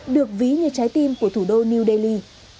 được ví như trái tim của thủ đô new delhi